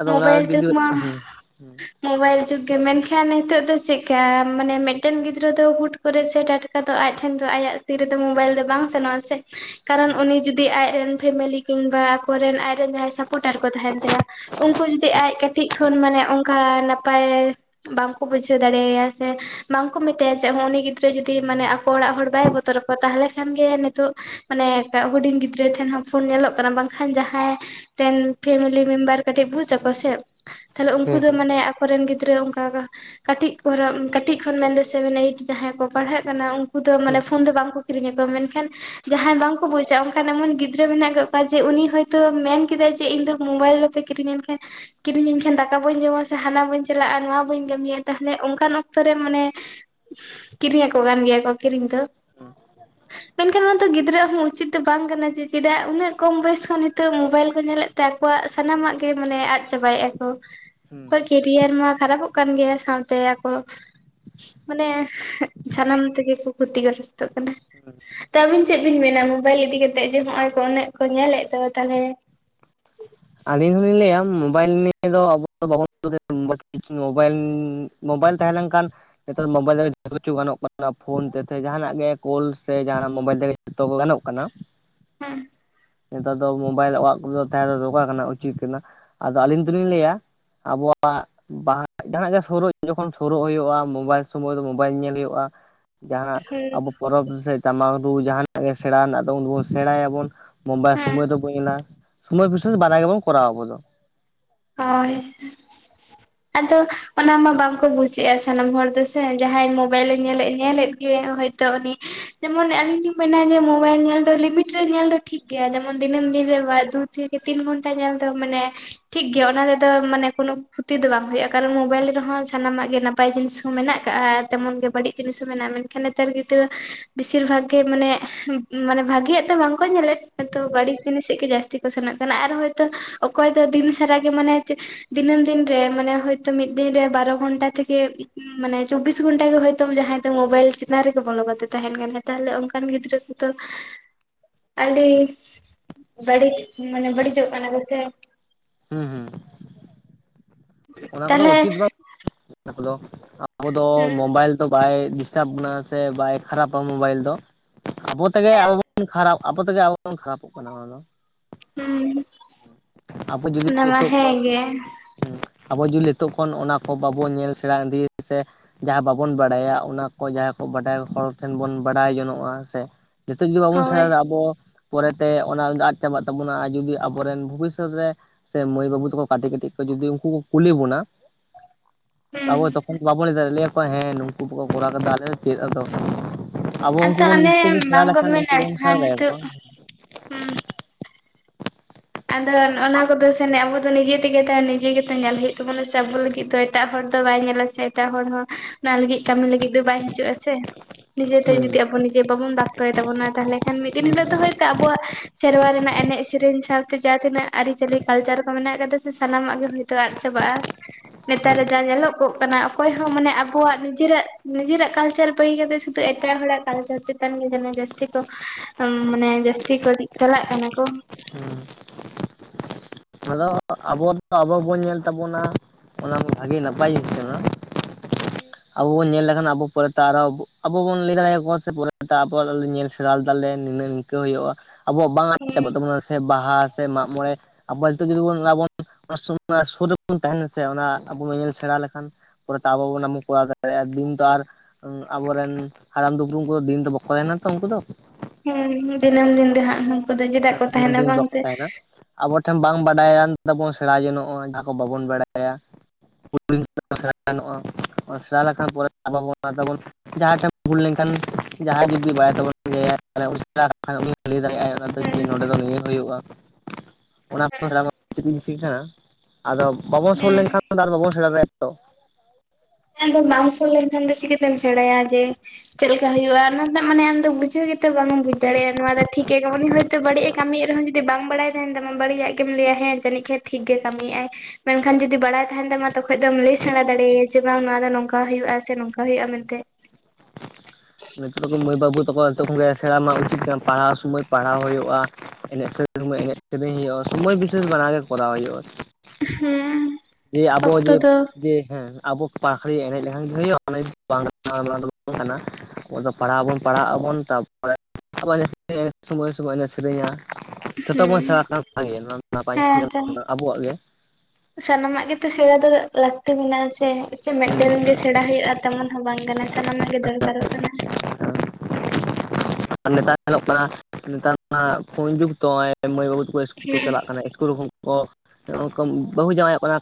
ᱟᱫᱚ ᱚᱱᱟ ᱢᱳᱵᱟᱭᱤᱞ ᱡᱩᱫᱤ ᱡᱩᱜᱽ ᱢᱟ ᱦᱩᱸ ᱦᱩᱸ ᱢᱳᱵᱟᱭᱤᱞ ᱡᱩᱜᱽ ᱜᱮ ᱢᱮᱱᱠᱷᱟᱱ ᱱᱤᱛᱚᱜ ᱫᱚ ᱪᱮᱫᱠᱟ ᱢᱟᱱᱮ ᱢᱤᱫᱴᱮᱱ ᱜᱤᱫᱽᱨᱟᱹ ᱫᱚ ᱦᱩᱴ ᱠᱚᱨᱮ ᱥᱮ ᱴᱟᱴᱠᱟ ᱫᱚ ᱟᱡ ᱴᱷᱮᱱ ᱫᱚ ᱟᱭᱟᱜ ᱛᱤ ᱨᱮᱫᱚ ᱢᱳᱵᱟᱭᱤᱞ ᱫᱚ ᱵᱟᱝ ᱥᱮᱱᱚᱜᱼᱟ ᱥᱮ ᱠᱟᱨᱚᱱ ᱦᱩᱸ ᱩᱱᱤ ᱡᱩᱫᱤ ᱟᱡᱨᱮᱱ ᱯᱷᱮᱢᱮᱞᱤ ᱠᱤᱝᱵᱟ ᱟᱠᱚᱨᱮᱱ ᱟᱡᱨᱮᱱ ᱡᱟᱦᱟᱸᱭ ᱥᱟᱯᱚᱴᱟᱨ ᱠᱚ ᱛᱟᱦᱮᱱ ᱛᱟᱭᱟ ᱩᱱᱠᱩ ᱡᱩᱫᱤ ᱟᱡ ᱠᱟᱹᱴᱤᱡ ᱠᱷᱚᱱ ᱢᱟᱱᱮ ᱚᱱᱠᱟ ᱱᱟᱯᱟᱭ ᱵᱟᱝᱠᱚ ᱵᱩᱡᱷᱟᱹᱣ ᱫᱟᱲᱮᱭᱟ ᱥᱮ ᱵᱟᱝᱠᱚ ᱢᱮᱛᱟᱭᱟ ᱡᱮ ᱦᱚᱜᱼ ᱩᱱᱤ ᱜᱤᱫᱽᱨᱟᱹ ᱡᱩᱫᱤ ᱢᱟᱱᱮ ᱟᱠᱚ ᱚᱲᱟᱜ ᱦᱚᱲ ᱵᱟᱭ ᱵᱚᱛᱚᱨ ᱟᱠᱚᱣᱟ ᱛᱟᱦᱚᱞᱮ ᱠᱷᱟᱱᱜᱮ ᱱᱤᱛᱚᱜ ᱢᱟᱱᱮ ᱦᱩᱰᱤᱧ ᱜᱤᱫᱽᱨᱟᱹ ᱴᱷᱮᱱ ᱦᱚᱸ ᱯᱷᱳᱱ ᱧᱮᱞᱚᱜ ᱠᱟᱱᱟ ᱵᱟᱝᱠᱷᱟᱱ ᱡᱟᱦᱟᱸᱭ ᱴᱮᱱ ᱯᱷᱮᱢᱮᱞᱤ ᱢᱮᱢᱵᱟᱨ ᱠᱟᱹᱴᱤᱡ ᱵᱩᱡ ᱟᱠᱚ ᱥᱮ ᱛᱟᱦᱚᱞᱮ ᱦᱮᱸ ᱩᱱᱠᱩ ᱫᱚ ᱦᱮᱸ ᱢᱟᱱᱮ ᱟᱠᱚᱨᱮᱱ ᱜᱤᱫᱽᱨᱟᱹ ᱚᱱᱠᱟ ᱠᱟᱹᱴᱤᱡ ᱠᱚ ᱠᱟᱹᱴᱤᱡ ᱠᱷᱚᱱ ᱢᱮᱱᱫᱟ ᱥᱮᱵᱷᱮᱱ ᱮᱭᱤᱴ ᱡᱟᱦᱟᱸᱭ ᱠᱚ ᱯᱟᱲᱦᱟᱜ ᱠᱟᱱᱟ ᱩᱱᱠᱩ ᱫᱚ ᱢᱟᱱᱮ ᱦᱮᱸ ᱯᱷᱳᱱ ᱫᱚ ᱵᱟᱝᱠᱚ ᱠᱷᱤᱨᱤᱧ ᱟᱠᱚ ᱢᱮᱱᱠᱷᱟᱱ ᱡᱟᱦᱟᱸᱭ ᱵᱟᱝᱠᱚ ᱵᱩᱡᱟ ᱚᱱᱠᱟᱱ ᱮᱢᱚᱱ ᱜᱤᱫᱽᱨᱟᱹ ᱢᱮᱱᱟᱜ ᱠᱟᱜ ᱠᱚᱣᱟ ᱡᱮ ᱩᱱᱤ ᱦᱚᱭᱛᱳ ᱢᱮᱱ ᱠᱮᱫᱟᱭ ᱡᱮ ᱤᱧ ᱫᱚ ᱢᱳᱵᱟᱭᱤᱞ ᱵᱟᱯᱮ ᱠᱤᱨᱤᱧ ᱮᱱᱠᱷᱟᱱ ᱠᱤᱨᱤᱧ ᱟᱹᱧ ᱠᱷᱟᱱ ᱫᱟᱠᱟ ᱵᱟᱹᱧ ᱡᱚᱢᱟ ᱥᱮ ᱦᱟᱱᱟ ᱵᱟᱹᱧ ᱪᱟᱞᱟᱜᱼᱟ ᱱᱚᱣᱟ ᱵᱟᱹᱧ ᱠᱟᱹᱢᱤᱭᱟ ᱛᱟᱦᱞᱮ ᱚᱱᱠᱟᱱ ᱚᱠᱛᱚ ᱢᱟᱱᱮ ᱠᱤᱨᱤᱧ ᱟᱠᱚ ᱠᱟᱱ ᱜᱮᱭᱟ ᱠᱚ ᱠᱤᱨᱤᱧ ᱫᱚ ᱢᱮᱱᱠᱷᱟᱱ ᱚᱱᱟ ᱫᱚ ᱜᱤᱫᱽᱨᱟᱹ ᱦᱚᱸ ᱩᱪᱤᱛ ᱫᱚ ᱵᱟᱝ ᱠᱟᱱᱟ ᱡᱮ ᱪᱮᱫᱟᱜ ᱩᱱᱟᱹᱜ ᱠᱚᱢ ᱵᱚᱭᱮᱥ ᱠᱷᱚᱱ ᱱᱤᱛᱚᱜ ᱢᱳᱵᱟᱭᱤᱞ ᱠᱚ ᱧᱮᱞᱮᱫ ᱛᱟᱦᱮᱸ ᱟᱠᱚᱣᱟᱜ ᱥᱟᱱᱟᱢᱟᱜ ᱜᱮ ᱢᱟᱱᱮ ᱟᱫ ᱪᱟᱵᱟᱭᱮᱫᱼᱟ ᱠᱚ ᱦᱩᱸ ᱟᱠᱚᱣᱟᱜ ᱠᱮᱨᱤᱭᱟᱨ ᱢᱟ ᱠᱷᱟᱨᱟᱯᱚᱜ ᱠᱟᱱ ᱜᱮᱭᱟ ᱥᱟᱶᱛᱮ ᱟᱠᱚ ᱢᱟᱱᱮ ᱥᱟᱱᱟᱢ ᱛᱮᱜᱮ ᱠᱚ ᱠᱷᱚᱛᱤ ᱜᱨᱚᱥᱛᱚ ᱠᱟᱱᱟ ᱛᱚ ᱟᱵᱤᱱ ᱪᱮᱫ ᱵᱤᱱ ᱢᱮᱱᱟ ᱢᱳᱵᱟᱭᱤᱞ ᱤᱫᱤ ᱠᱟᱛᱮᱜ ᱡᱮ ᱦᱚᱸᱜᱼᱚᱭ ᱠᱚ ᱩᱱᱟᱹᱜ ᱠᱚ ᱧᱮᱞᱮᱫ ᱫᱚ ᱛᱟᱞᱦᱮ ᱟᱹᱞᱤᱧ ᱦᱚᱞᱤᱧ ᱞᱟᱹᱭᱟ ᱢᱳᱵᱟᱭᱤᱞ ᱱᱤᱭᱮ ᱫᱚ ᱟᱵᱚ ᱵᱟᱵᱚᱱ ᱢᱚᱵᱟᱭᱤᱞ ᱢᱳᱵᱟᱭᱤᱞ ᱛᱟᱦᱮᱸ ᱞᱮᱱᱠᱷᱟᱱ ᱱᱮᱛᱟᱨ ᱢᱳᱵᱟᱭᱤᱞ ᱛᱮᱜᱮ ᱡᱚᱛᱚ ᱠᱤᱪᱷᱩ ᱜᱟᱱᱚᱜ ᱠᱟᱱᱟ ᱯᱷᱳᱱ ᱛᱮ ᱡᱟᱦᱟᱱᱟᱜ ᱜᱮ ᱠᱚᱞ ᱥᱮ ᱡᱟᱦᱟᱱᱟᱜ ᱢᱳᱵᱟᱭᱤᱞ ᱛᱮᱜᱮ ᱡᱚᱛᱚ ᱠᱚ ᱜᱟᱱᱚᱜ ᱠᱟᱱᱟ᱾ ᱦᱩᱸ ᱱᱮᱛᱟᱨ ᱫᱚ ᱢᱳᱵᱟᱭᱤᱞ ᱚᱲᱟᱜ ᱠᱚᱨᱮ ᱛᱟᱦᱮᱸ ᱫᱚᱠᱟᱨ ᱠᱟᱱᱟ ᱩᱪᱤᱛ ᱠᱟᱱᱟ ᱟᱫᱚ ᱟᱹᱞᱤᱧ ᱫᱚᱞᱤᱧ ᱞᱟᱹᱭᱟ ᱟᱵᱚᱣᱟᱜ ᱵᱟᱦ ᱡᱟᱸᱦᱟᱱᱟᱜ ᱜᱮ ᱥᱩᱨᱩᱜ ᱡᱚᱠᱷᱚᱱ ᱥᱩᱨᱩᱜ ᱦᱩᱭᱩᱜᱼᱟ ᱢᱳᱵᱟᱭᱤᱞ ᱥᱚᱢᱚᱭ ᱫᱚ ᱢᱳᱵᱟᱭᱤᱞ ᱧᱮᱞ ᱦᱩᱭᱩᱜᱼᱟ ᱡᱟᱦᱟᱱᱟᱜ ᱦᱮᱸ ᱟᱵᱚ ᱯᱚᱨᱚᱵᱽ ᱥᱮ ᱴᱟᱢᱟᱠ ᱨᱩ ᱡᱟᱦᱟᱱᱟᱜ ᱜᱮ ᱥᱮᱬᱟ ᱨᱮᱱᱟᱜ ᱫᱚ ᱵᱚᱱ ᱥᱮᱬᱟᱭᱟᱵᱚᱱ ᱢᱳᱵᱟᱭᱤ ᱦᱮᱸ ᱥᱚᱢᱳᱚᱭ ᱫᱚ ᱵᱚ ᱧᱮᱞᱟᱟ ᱥᱳᱚᱢᱚᱭ ᱵᱤᱥᱮᱥ ᱵᱟᱱᱟᱨ ᱜᱮᱵᱚᱱ ᱠᱚᱨᱟᱣᱟ ᱟᱵᱚ ᱫᱚ ᱦᱳᱭ ᱟᱫᱚ ᱚᱱᱟ ᱢᱟ ᱵᱟᱝᱠᱚ ᱵᱩᱡᱮᱜᱼᱟ, ᱥᱟᱱᱟᱢ ᱦᱚᱲ ᱫᱚ ᱥᱮ ᱡᱟᱦᱟᱸᱭ ᱢᱳᱵᱟᱭᱤᱞᱮ ᱧᱮᱞᱮᱫ ᱧᱮᱞᱮᱫ ᱜᱮᱭ ᱦᱚᱭ ᱛᱚ ᱩᱱᱤ ᱡᱮᱢᱚᱱ ᱟᱞᱤᱧ ᱞᱤᱧ ᱢᱮᱱᱟ, ᱡᱮ ᱢᱳᱵᱟᱭᱤᱞ ᱧᱮᱞ ᱫᱚ ᱞᱤᱢᱤᱴ ᱨᱮ ᱧᱮᱞ ᱫᱚ ᱴᱷᱤᱠ ᱜᱮᱭᱟ ᱡᱮᱢᱚᱱ ᱫᱤᱱᱟᱹᱢ ᱫᱤᱱ ᱨᱮ ᱫᱩ ᱛᱷᱮᱠᱮ ᱛᱤᱱ ᱜᱷᱚᱱᱴᱟ ᱧᱮᱞ ᱫᱚ ᱢᱟᱱᱮ, ᱴᱷᱤᱠ ᱜᱮᱭᱟ ᱚᱱᱟ ᱨᱮᱫᱚ ᱢᱟᱱᱮ ᱠᱳᱱᱳ ᱠᱷᱚᱛᱤ ᱫᱚ ᱵᱟᱝ ᱦᱩᱭᱩᱜᱼᱟ ᱠᱟᱨᱚᱱ ᱢᱳᱵᱟᱭᱤᱞ ᱨᱮᱦᱚᱸ ᱥᱟᱱᱟᱢᱟᱜ ᱜᱮ ᱱᱟᱯᱟᱭ ᱡᱤᱱᱤᱥ ᱦᱚᱸ ᱢᱮᱱᱟᱜ ᱟᱠᱟᱜᱼᱟ ᱛᱮᱢᱚᱱ ᱜᱮ ᱵᱟᱹᱲᱤᱡ ᱡᱤᱱᱤᱥ ᱦᱚᱸ ᱢᱮᱱᱟᱜᱼᱟ ᱢᱮᱱᱠᱷᱟᱱ ᱱᱮᱛᱟᱨ ᱜᱤᱫᱽᱨᱟᱹ ᱵᱮᱥᱤᱨ ᱵᱷᱟᱜᱽ ᱜᱮ ᱢᱟᱱᱮ ᱢᱟᱱᱮ ᱵᱷᱟᱜᱤᱭᱟᱜ ᱛᱚ ᱵᱟᱝᱠᱚ ᱧᱮᱞᱮᱫ ᱛᱚ ᱵᱟᱹᱲᱤᱡ ᱡᱤᱱᱤᱥ ᱥᱮᱫ ᱜᱮ ᱡᱟᱹᱥᱛᱤ ᱥᱮᱱᱚᱜ ᱠᱟᱱᱟ ᱟᱨ ᱦᱚᱭᱛᱳ ᱚᱠᱚᱭ ᱫᱚ ᱫᱤᱱ ᱥᱟᱨᱟᱜ ᱜᱮ ᱢᱟᱱᱮ ᱫᱤᱱᱟᱹᱢ ᱫᱤᱱ ᱨᱮ ᱢᱟᱱᱮ ᱦᱚᱳᱭᱛᱳ ᱢᱤᱫ ᱫᱤᱱ ᱨᱮ ᱵᱟᱨᱚ ᱜᱷᱚᱱᱴᱟ ᱛᱷᱮᱠᱮ ᱢᱟᱱᱮ ᱪᱚᱵᱽᱵᱤᱥ ᱜᱷᱚᱱᱴᱟ ᱜᱮ ᱦᱭᱛᱳ ᱡᱟᱦᱟᱸᱭ ᱫᱚ ᱢᱳᱵᱟᱭᱤᱞ ᱪᱮᱛᱟᱱ ᱨᱮᱜᱮ ᱵᱚᱞᱚ ᱠᱟᱛᱮ ᱛᱟᱦᱮᱱ ᱠᱟᱱᱟ ᱛᱟᱦᱚᱞᱮ ᱚᱱᱠᱟᱱ ᱜᱤᱫᱽᱨᱟᱹ ᱠᱚᱫᱚ ᱟᱹᱰᱤ ᱵᱟᱹᱲᱤᱡ ᱢᱟᱱᱮ ᱵᱟᱹᱲᱤᱡᱚᱜ ᱠᱟᱱᱟ ᱠᱚᱥᱮ ᱦᱩᱸ ᱦᱩᱸ ᱚᱱᱟ ᱠᱚᱫᱚ ᱛᱟᱦᱚᱞᱮ ᱩᱪᱤᱛ ᱵᱟᱝ ᱠᱚᱫᱚ ᱟᱵᱚ ᱫᱚ ᱦᱩᱸ ᱢᱳᱵᱟᱭᱤᱞ ᱫᱚ ᱵᱟᱭ ᱰᱤᱥᱴᱟᱵ ᱵᱚᱱᱟ ᱥᱮ ᱵᱟᱭ ᱠᱷᱟᱨᱟᱯᱟ ᱢᱳᱵᱟᱭᱤᱞ ᱫᱚ ᱟᱵᱚ ᱛᱮᱜᱮ ᱟᱵᱚ ᱦᱮᱸ ᱵᱚᱱ ᱠᱷᱟᱨᱟᱯ ᱟᱵᱚ ᱛᱮᱜᱮ ᱟᱵᱚ ᱵᱚᱱ ᱠᱷᱟᱨᱟᱯᱚᱜ ᱠᱟᱱᱟ ᱚᱱᱟ᱾ ᱫᱚ ᱦᱩᱸ <unintelligible> ᱟᱵᱚ ᱡᱩᱫᱤ ᱚᱱᱟ ᱢᱟ ᱱᱮᱛᱚ ᱠᱚᱢ ᱦᱮᱸ ᱜᱮ ᱟᱵᱚ ᱡᱩᱫᱤ <unintelligible> ᱱᱤᱛᱚᱜ ᱠᱷᱚᱱ ᱚᱱᱟ ᱠᱚ ᱵᱟᱵᱚᱱ ᱧᱮᱞ ᱥᱮᱬᱟ ᱤᱫᱤᱭᱟ ᱥᱮ ᱡᱟᱦᱟᱸᱭ ᱵᱟᱵᱚᱱ ᱵᱟᱲᱟᱭᱟ ᱚᱱᱟ ᱠᱚ ᱡᱟᱦᱟᱸᱭ ᱠᱚ ᱵᱟᱰᱟᱭ ᱦᱚᱲ ᱴᱷᱮᱱ ᱵᱚᱱ ᱵᱟᱰᱟᱭ ᱡᱚᱱᱚᱜᱼᱟ ᱦᱮᱸ ᱥᱮ ᱦᱤᱛᱚᱜ ᱜᱤ ᱵᱟᱵᱚᱱ ᱦᱳᱭ ᱥᱮᱬᱟᱭᱫᱟ ᱟᱵᱚ ᱯᱚᱨᱮᱛᱮ ᱚᱱᱟ ᱫᱚ ᱟᱫ ᱪᱟᱵᱟᱜ ᱛᱟᱵᱚᱱᱟ ᱡᱩᱫᱤ ᱟᱵᱚᱨᱮᱱ ᱵᱷᱚᱵᱤᱥᱥᱚᱛ ᱨᱮ ᱥᱮ ᱢᱟᱹᱭ ᱵᱟᱹᱵᱩ ᱛᱟᱠᱚ ᱠᱟᱹᱴᱤᱡ ᱠᱟᱹᱴᱤᱡ ᱠᱚ ᱡᱚᱫᱤ ᱩᱱᱠᱩ ᱠᱚ ᱠᱩᱞᱤ ᱵᱚᱱᱟ ᱦᱩᱸ ᱟᱵᱚ ᱛᱚᱠᱷᱚᱱ ᱵᱟᱵᱚᱱ ᱞᱟᱹᱭ ᱫᱟᱲᱮᱜᱼᱟ᱾ ᱞᱮᱭᱟᱠᱚᱣᱟ ᱦᱮᱸ ᱱᱩᱠᱩ ᱠᱚᱠᱚ ᱠᱚᱨᱟᱣ ᱠᱟᱫᱟ ᱟᱞᱮ ᱪᱮᱫ ᱟᱫᱚ ᱟᱵᱚ ᱩᱱᱠᱩ ᱟᱫᱚ ᱵᱚᱱ ᱚᱱᱮ ᱥᱮᱬᱟ ᱵᱟᱝᱠᱚ ᱞᱮᱠᱷᱟᱱ ᱱᱩᱠᱩ ᱢᱮᱱᱟ ᱵᱚᱱ ᱡᱟᱦᱟᱸ ᱥᱮᱬᱟ ᱫᱟᱲᱮᱭᱟ ᱠᱟᱣᱟ ᱱᱤᱛᱚᱜ ᱦᱩᱸ ᱟᱫᱚ ᱚᱱᱟ ᱠᱚᱫᱚ ᱥᱮᱱ ᱟᱵᱚ ᱫᱚ ᱱᱤᱡᱮ ᱛᱮᱜᱮ ᱛᱚ ᱱᱤᱡᱮ ᱜᱮᱛᱚ ᱧᱮᱞ ᱦᱩᱭᱩᱜ ᱛᱟᱵᱚᱱᱟ᱾ ᱥᱮ ᱟᱵᱚ ᱞᱟᱹᱜᱤᱫ ᱠᱤᱱᱛᱩ ᱮᱴᱟᱜ ᱦᱚᱲ ᱫᱚ ᱵᱟᱭ ᱧᱮᱞᱟ ᱥᱮ ᱮᱴᱟᱜ ᱦᱚᱲ ᱦᱚᱸ ᱚᱱᱟ ᱞᱟᱹᱜᱤᱫ ᱠᱟᱹᱢᱤ ᱞᱟᱹᱜᱤᱫ ᱫᱚ ᱵᱟᱭ ᱦᱤᱡᱩᱜᱼᱟ ᱥᱮ ᱱᱤᱡᱮᱛᱮ ᱦᱩᱸ ᱡᱩᱫᱤ ᱟᱵᱚ ᱱᱤᱡᱮ ᱵᱟᱵᱚᱱ ᱵᱟᱥ ᱫᱚᱭ ᱛᱟᱵᱚᱱᱟ ᱛᱟᱦᱚᱞᱮ ᱠᱷᱟᱱ ᱢᱤᱫ ᱫᱤᱱ ᱦᱤᱞᱳᱜ ᱫᱚ ᱦᱳᱭᱛᱳ ᱟᱵᱚᱣᱟᱜ ᱥᱮᱨᱣᱟ ᱨᱮᱱᱟᱜ ᱮᱱᱮᱡ ᱥᱮᱨᱮᱧ ᱥᱟᱶ ᱡᱟᱦᱟᱸ ᱛᱤᱱᱟᱹᱜ ᱟᱹᱨᱤᱪᱟᱹᱞᱤ ᱠᱟᱞᱪᱟᱨ ᱠᱚ ᱢᱮᱱᱟᱜ ᱠᱟᱫᱟ ᱥᱮ ᱥᱟᱱᱟᱢᱟᱜ ᱜᱮ ᱦᱳᱭᱛᱳ ᱟᱫ ᱪᱟᱵᱟᱜᱼᱟ᱾ ᱱᱮᱛᱟᱨ ᱦᱩᱸ ᱨᱮ ᱡᱟ ᱧᱮᱞᱚᱜᱚᱜ ᱠᱟᱱᱟ᱾ ᱚᱠᱚᱭ ᱦᱚᱸ ᱢᱟᱱᱮ ᱟᱠᱚᱣᱟᱜ ᱱᱤᱡᱮᱨᱟᱜ ᱱᱤᱡᱮᱨᱟᱜ ᱠᱟᱞᱪᱟᱨ ᱵᱟᱹᱜᱤ ᱠᱟᱛᱮ ᱥᱩᱫᱷᱩ ᱮᱴᱟᱜ ᱦᱚᱲᱟᱜ ᱠᱟᱞᱪᱟᱨ ᱪᱮᱛ ᱪᱮᱛᱟᱱ ᱜᱮ ᱡᱮᱱᱚ ᱡᱟᱹᱥᱛᱤ ᱢᱟᱱᱮ ᱡᱟᱹᱥᱛᱤ ᱠᱚ ᱪᱟᱞᱟᱜ ᱠᱟᱱᱟ ᱠᱚ ᱟᱫᱚ ᱟᱵᱚ ᱫᱚ ᱟᱵᱚ ᱵᱚᱱ ᱧᱮᱞ ᱛᱟᱵᱚᱱᱟ ᱚᱱᱟ ᱢᱟ ᱵᱷᱟᱜᱮ ᱱᱟᱯᱟᱭ ᱡᱤᱱᱤᱥ ᱠᱟᱱᱟ ᱟᱵᱚ ᱵᱚᱱ ᱧᱮᱞ ᱞᱮᱠᱷᱟᱱ ᱟᱵᱚ ᱯᱚᱨᱮᱛᱮ ᱟᱨᱦᱚᱸ ᱟᱵᱚ ᱵᱚᱱ ᱞᱟᱹᱭ ᱫᱟᱲᱮᱭᱟᱠᱚᱣᱟ ᱥᱮ ᱯᱚᱨᱮᱛᱮ ᱟᱵᱚ ᱧᱮᱞ ᱥᱮᱬᱟ ᱞᱮᱫᱟ ᱞᱮ ᱱᱤᱱᱟᱹᱜ ᱱᱤᱝᱠᱟᱹ ᱦᱩᱭᱩᱜᱼᱟ᱾ ᱟᱵᱚᱣᱟᱜ ᱵᱟᱝ ᱟᱫ ᱦᱮᱸ ᱪᱟᱵᱟᱜ ᱛᱟᱵᱚᱱᱟ ᱥᱮ ᱵᱟᱦᱟ ᱥᱮ ᱢᱟᱜᱽ ᱢᱚᱬᱮ ᱟᱵᱚ ᱱᱤᱛᱚᱜ ᱡᱩᱫᱤ ᱵᱚᱱ ᱥᱩᱨ ᱨᱮᱵᱚᱱ ᱛᱟᱦᱮᱱᱟ ᱥᱮ ᱚᱱᱟ ᱟᱵᱚ ᱵᱚᱱ ᱧᱮᱞ ᱥᱮᱬᱟ ᱞᱮᱠᱷᱟᱱ ᱯᱟᱨᱮ ᱛᱮ ᱟᱵᱟ ᱵᱟᱱ ᱚᱱᱟ ᱵᱚᱱ ᱠᱚᱨᱟᱣ ᱫᱟᱲᱮᱜᱼᱟ᱾ ᱫᱤᱱ ᱫᱚ ᱟᱨ ᱟᱵᱚᱨᱮᱱ ᱦᱟᱲᱟᱢ ᱫᱩᱯᱲᱩᱢ ᱠᱚᱫᱟ ᱫᱤᱱ ᱫᱚ ᱵᱟᱠᱚ ᱛᱟᱦᱮᱱᱟ ᱛᱚ ᱩᱱᱠᱩ ᱫᱚ ᱦᱩᱸ ᱫᱤᱱᱟᱹᱢ ᱫᱤᱱ ᱫᱚ ᱦᱟᱸᱜ ᱦᱟᱸᱠᱩ ᱫᱚ ᱪᱮᱫᱟᱜ ᱠᱚ ᱫᱤᱱᱟᱹᱢ ᱛᱟᱦᱮᱱᱟ ᱫᱤᱱ ᱵᱟᱝ ᱵᱟᱠᱚ ᱥᱮ ᱛᱟᱦᱮᱱᱟ ᱟᱵᱚ ᱴᱷᱮᱱ ᱵᱟᱝ ᱵᱟᱰᱟᱭᱟᱱ ᱛᱟᱵᱚᱱ ᱥᱮᱬᱟ ᱡᱮᱱᱚᱜᱼᱟ ᱡᱟᱦᱟᱸ ᱠᱚ ᱵᱟᱵᱚᱱ ᱵᱟᱲᱟᱭᱟ <unintelligible> <inaudible> ᱥᱮᱬᱟ ᱞᱮᱠᱷᱟᱱ ᱯᱚᱨᱮ ᱛᱮ ᱛᱟᱵᱚᱱ ᱡᱟᱦᱟᱸ ᱴᱷᱮᱱ ᱵᱷᱩᱞ ᱞᱮᱱᱠᱷᱟᱱ ᱡᱟᱦᱟᱸᱭ ᱡᱩᱫᱤ ᱵᱟᱭ ᱩᱱᱤ ᱞᱟᱹᱭ ᱫᱟᱲᱮᱭᱟᱜᱼᱟᱭ <unintelligible> ᱚᱱᱟᱛᱮ ᱦᱮᱸ ᱪᱮᱫ ᱱᱚᱸᱰᱮ ᱫᱚ ᱱᱤᱭᱟᱹ ᱦᱩᱭᱩᱜᱼᱟ ᱚᱱᱟ ᱠᱟᱱᱟ ᱟᱫᱚ ᱵᱟᱵᱚᱱ ᱥᱩᱨ ᱦᱮᱸ ᱞᱮᱱᱠᱷᱟᱱ ᱟᱨ ᱵᱟᱵᱚᱱ ᱥᱮᱬᱟ ᱫᱟᱲᱮᱭᱟᱜᱼᱟ ᱛᱚ ᱵᱟᱢ ᱥᱩᱨ ᱞᱮᱱᱠᱷᱟᱱ ᱫᱚ ᱪᱤᱠᱟᱹᱛᱮᱢ ᱥᱮᱬᱟᱭᱟ ᱡᱮ ᱪᱮᱫ ᱞᱮᱠᱟ ᱦᱩᱭᱩᱜᱼᱟ ᱚᱱᱟ ᱫᱚ ᱢᱟᱱᱮ ᱪᱮᱫ ᱞᱮᱠᱟ ᱦᱩᱭᱩᱜᱟ ᱚᱱᱟ ᱨᱮᱱᱟᱜ ᱢᱟᱱᱮ ᱟᱢᱫᱚ ᱵᱩᱡᱷᱟᱹᱣ ᱜᱮᱛᱚ ᱵᱟᱢ ᱵᱩᱡ ᱫᱟᱲᱮᱭᱟᱜᱼᱟ ᱠᱟᱱᱟ ᱱᱚᱣᱟ ᱫᱚ ᱴᱷᱤᱠᱭᱟ ᱩᱱᱤ ᱦ ᱦᱚᱭᱛᱳ ᱵᱟᱹᱲᱤᱡ ᱮ ᱠᱟᱹᱢᱤᱭᱮᱫ ᱨᱮᱦᱚᱸ ᱡᱩᱫᱤ ᱵᱟᱝ ᱵᱟᱲᱟᱭ ᱠᱟᱹᱢᱤ ᱭᱮᱫ ᱨᱮᱦ ᱡᱩᱫᱤ ᱵᱟᱝ ᱵᱟᱲᱟᱭ ᱛᱟᱦᱮᱱ ᱛᱟᱢᱟ ᱵᱟᱹᱲᱤᱡᱟᱜ ᱜᱮᱢ ᱞᱟᱹᱭ ᱟ ᱦᱮᱸ ᱡᱟᱹᱱᱤᱡ ᱠᱷᱟᱱᱡ ᱴᱷᱤᱠ ᱜᱮ ᱠᱟᱹᱢᱤ ᱮᱟᱭ ᱢᱮᱱᱠᱷᱟᱱ ᱡᱩᱫᱤ ᱵᱟᱲᱟᱭ ᱛᱟᱦᱮᱱ ᱛᱟᱢᱟ ᱡᱚᱛᱚᱠᱷᱚᱡ ᱫᱚᱢ ᱞᱟᱹᱭ ᱥᱮᱬᱟ ᱫᱟᱲᱮᱭᱟᱭᱟ ᱡᱮ ᱵᱟᱝ ᱱᱚᱣᱟ ᱫᱚ ᱱᱚᱝᱠᱟ ᱦᱩᱭᱩᱜᱼᱟ ᱥᱮ ᱱᱚᱝᱠᱟ ᱦᱩᱭᱩᱜᱼᱟ ᱢᱮᱱᱛᱮ ᱱᱤᱛᱚᱜ ᱜᱮ ᱢᱟᱹᱭ ᱵᱟᱹᱵᱩ ᱛᱟᱠᱚᱣᱟ ᱱᱤᱛᱚᱜ ᱠᱷᱚᱱᱜᱮ ᱥᱮᱬᱟ ᱢᱟ ᱩᱪᱤᱛ ᱠᱟᱱᱟ, ᱯᱟᱲᱦᱟᱣ ᱥᱚᱢᱚᱭ ᱯᱟᱲᱦᱟᱣ ᱦᱩᱭᱩᱜᱼᱟ᱾ ᱮᱱᱮᱡ ᱥᱮᱨᱮᱧ ᱥᱚᱢᱚᱭ ᱮᱱᱮᱡ ᱥᱮᱨᱮᱧ ᱦᱩᱭᱩᱜᱼᱟ᱾ ᱥᱚᱢᱚᱭ ᱵᱤᱥᱮᱥ ᱵᱱᱟᱨ ᱜᱮ ᱠᱚᱨᱟᱣ ᱦᱩᱭᱩᱜᱼᱟ᱾ ᱦᱮᱸ ᱡᱮ ᱟᱵᱚ ᱚᱠᱛᱚ ᱡᱮ ᱫᱚ ᱡᱮ ᱦᱮᱸ ᱟᱵᱚ ᱯᱟᱠᱷᱲᱤ ᱮᱱᱮᱡ ᱞᱮᱠᱷᱟᱱ ᱜᱮ ᱦᱩᱭᱩᱜᱼᱟ ᱟᱱᱟ ᱡᱤᱱᱤᱥ ᱵᱟᱝ ᱫᱚ ᱵᱟᱝ ᱠᱟᱱᱟ ᱟᱵᱚ ᱫᱚ ᱯᱟᱲᱦᱟᱜ ᱟᱵᱚᱱ ᱯᱟᱲᱦᱟᱜ ᱟᱵᱚᱱ ᱛᱟᱯᱚᱨᱮ ᱥᱚᱢᱚᱭ ᱥᱚᱢᱚᱭ ᱞᱮ ᱮᱱᱮᱡ ᱥᱮᱨᱮᱧᱟ ᱡᱚᱛᱚ ᱦᱮᱸ ᱵᱚᱱ ᱥᱮᱬᱟ ᱠᱟᱱ ᱜᱮ ᱱᱟᱯᱟᱭ ᱦᱩᱭᱩᱜᱼᱟ ᱟᱵᱚᱣᱟᱜ ᱜᱮ ᱥᱟᱱᱟᱢᱟᱜᱮ ᱛᱚ ᱥᱮᱲ ᱫᱚ ᱞᱟᱠᱛᱤ <unintelligible> ᱥᱮ ᱥᱮ ᱢᱤᱫᱴᱮᱱ ᱜᱮ ᱥᱮᱬᱟ ᱦᱩᱭᱩᱜᱼᱟ ᱛᱮᱢᱚᱱ ᱦᱚᱸ ᱵᱟᱝ ᱠᱟᱱᱟ ᱥᱟᱱᱟᱢᱟᱜ ᱜᱮ ᱫᱚᱨᱠᱟᱨᱚᱜ ᱠᱟᱱᱟ ᱟᱨ ᱱᱮᱛᱟᱨ ᱧᱮᱞᱚᱜ ᱠᱟᱱᱟ ᱱᱮᱛᱟᱨ ᱢᱟ ᱯᱷᱳᱱ ᱡᱩᱜᱽ ᱛᱚ ᱢᱟᱹᱭ ᱵᱟᱹᱵᱩ ᱛᱟᱠᱚ ᱤᱥᱠᱩᱞ ᱠᱚ ᱪᱟᱞᱟᱜ ᱠᱟᱱᱟ ᱤᱥᱠᱩᱞ ᱨᱮ ᱼᱼᱠᱚ ᱵᱟᱹᱦᱩ ᱡᱟᱶᱟᱭᱜ ᱠᱟᱱᱟ ᱠᱚ